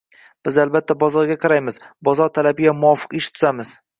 —Biz albatta, bozorga qaraymiz, bozor talabiga muvofiq ish tutamiz.